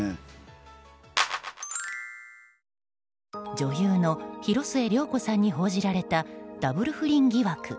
女優の広末涼子さんに報じられたダブル不倫疑惑。